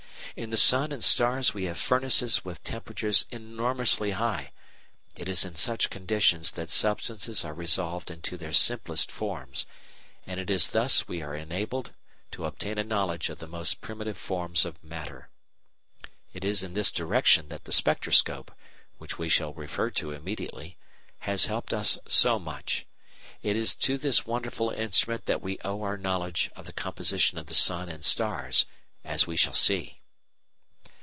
In the sun and stars we have furnaces with temperatures enormously high; it is in such conditions that substances are resolved into their simplest forms, and it is thus we are enabled to obtain a knowledge of the most primitive forms of matter. It is in this direction that the spectroscope (which we shall refer to immediately) has helped us so much. It is to this wonderful instrument that we owe our knowledge of the composition of the sun and stars, as we shall see.